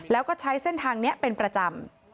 แล้วก็ใช้เส้นทางนี้เป็นประจำ